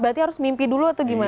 berarti harus mimpi dulu atau gimana